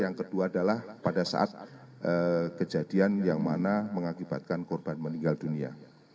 yang kedua adalah pada saat kejadian yang mana mengakibatkan korban meninggal dunia